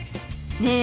ねえ？